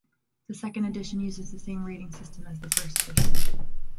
The second edition uses the same rating system as the first edition.